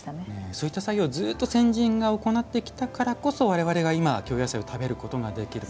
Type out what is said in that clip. そういった作業をずっと先人が行ってきたからこそわれわれが今、京野菜を食べることができる。